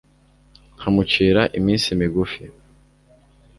nkamucira iminsi migufi